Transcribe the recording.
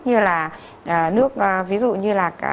như là nước ví dụ như là